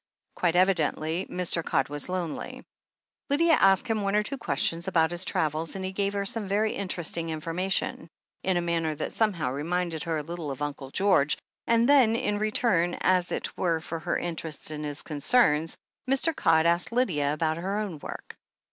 Quite evidently, Mr. Codd was lonely. Lydia asked him one or two questions about his travels and he gave her some very interesting informa tion, in a manner that somehow reminded her a little of Uncle George, and then, in return as it were for her interest in his concerns, Mr. Codd asked Lydia about her own work.